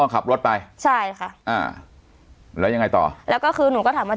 ขับรถไปใช่ค่ะอ่าแล้วยังไงต่อแล้วก็คือหนูก็ถามว่า